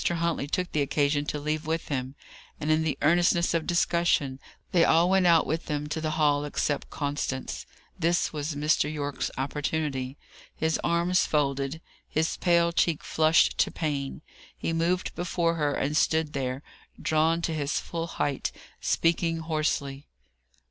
Huntley took the occasion to leave with him; and, in the earnestness of discussion, they all went out with them to the hall, except Constance. This was Mr. Yorke's opportunity. His arms folded, his pale cheek flushed to pain, he moved before her, and stood there, drawn to his full height, speaking hoarsely.